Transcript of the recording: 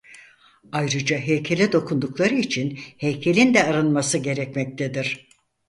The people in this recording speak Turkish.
Ayrıca heykele dokundukları için heykelin de arınması gerekmektedir.